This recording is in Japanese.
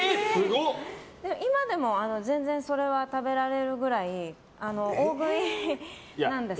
今でも全然それは食べられるぐらい大食いなんですよ。